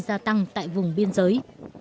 gia tăng tại vùng biên giới